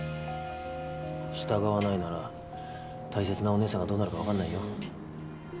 従わないなら大切なおねえさんがどうなるかわかんないよ。